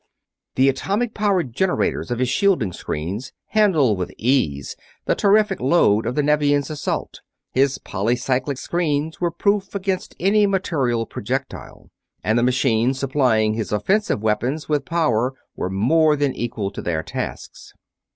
The atomic powered generators of his shielding screens handled with ease the terrific load of the Nevians' assault, his polycyclic screens were proof against any material projectile, and the machines supplying his offensive weapons with power were more than equal to their tasks.